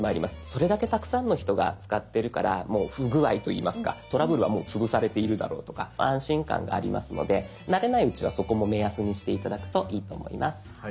それだけたくさんの人が使ってるからもう不具合といいますかトラブルはもう潰されているだろうとか安心感がありますので慣れないうちはそこも目安にして頂くといいと思います。